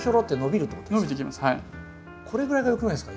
これぐらいがよくないですか？